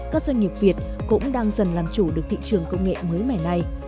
các doanh nghiệp việt cũng đang dần làm chủ được thị trường công nghệ mới mẻ này